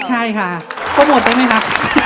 ใช่ค่ะโปรโมทได้ไหมครับ